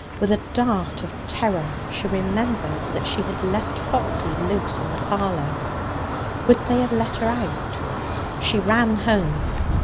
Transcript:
With a dart of terror she remembered that she had left Foxy loose in the parlour. Would they have let her out? She ran home.